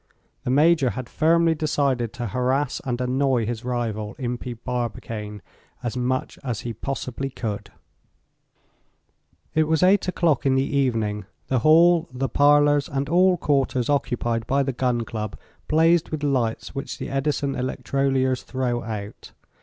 The Major had firmly decided to harass and annoy his rival, Impey Barbicane, as much as he possibly could. It was 8 o'clock in the evening. The hall, the parlors, and all quarters occupied by the Gun Club blazed with lights which the Edison electroliers throw out.